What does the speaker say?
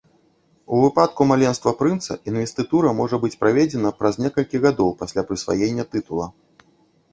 У выпадку маленства прынца інвестытура можа быць праведзена праз некалькі гадоў пасля прысваення тытула.